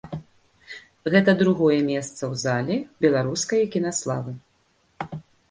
Гэта другое месца ў зале беларускае кінаславы.